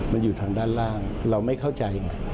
มันอยู่ทางด้านล่างเราไม่เข้าใจไง